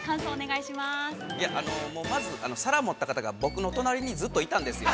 ◆いやあのまず皿持った方が僕の隣にずっといたんですよ。